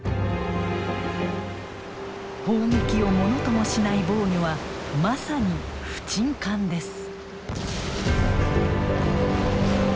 砲撃をものともしない防御はまさに不沈艦です。